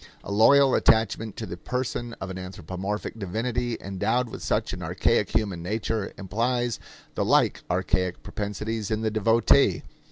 A loyal attachment to the person of an anthropomorphic divinity endowed with such an archaic human nature implies the like archaic propensities in the devotee.